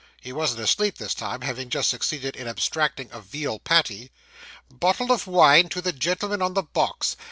(He wasn't asleep this time, having just succeeded in abstracting a veal patty.) 'Bottle of wine to the gentleman on the box.